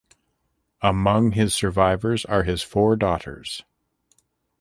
Among his survivors are his four daughters.